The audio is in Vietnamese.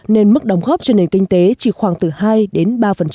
nên mức đóng góp cho nền kinh tế chỉ khoảng từ hai đến ba